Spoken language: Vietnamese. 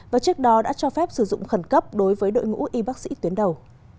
và trước đó đã cho phép sử dụng khẩn cấp đối với đội ngũ y bác sĩ tuyến đầu